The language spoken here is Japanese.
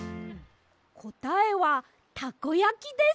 こたえはたこやきです！